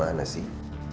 gak ada sih